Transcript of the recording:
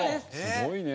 すごいね。